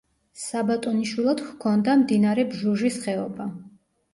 საბატონიშვილოდ ჰქონდა მდინარე ბჟუჟის ხეობა.